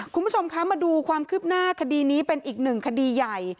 คุณผู้ชมคะมาดูความคืบหน้าคดีนี้เป็นอีกหนึ่งคดีใหญ่